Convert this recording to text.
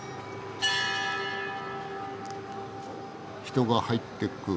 人が入っていく。